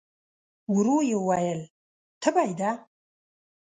ورو يې وویل: تبه يې ده؟